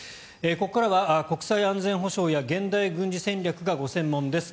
ここからは国際安全保障や現代軍事戦略がご専門です